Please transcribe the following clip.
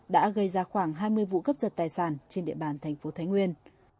đã gây ra khoảng hai mươi vụ cấp giật tài sản trên địa bàn thành phố thái nguyên